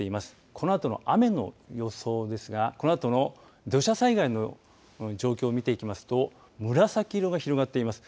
このあとの雨の予想ですがこのあとの土砂災害の状況を見ていきますと紫色が広がっています。